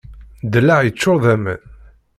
Ddellaɛ yeččur d aman.